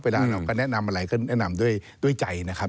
เราก็แนะนำอะไรก็แนะนำด้วยใจนะครับ